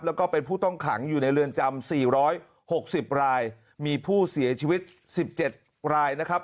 แล้วก็เป็นผู้ต้องขังอยู่ในเรือนจำ๔๖๐รายมีผู้เสียชีวิต๑๗รายนะครับ